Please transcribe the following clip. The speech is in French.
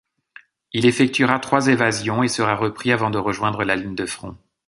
Il effectuera trois évasions et sera repris avant de rejoindre la ligne de front.